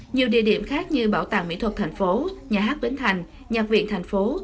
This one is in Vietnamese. nhiều địa điểm khác như bảo tàng mỹ thuật thành phố nhà hát bến thành nhà viện thành phố